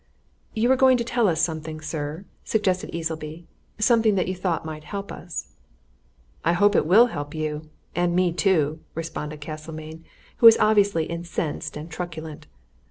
"You were going to tell us something, sir?" suggested Easleby. "Something that you thought might help us." "I hope it will help you and me, too!" responded Castlemayne, who was obviously incensed and truculent.